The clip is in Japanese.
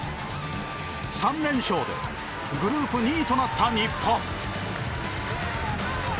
３連勝でグループ２位となった日本。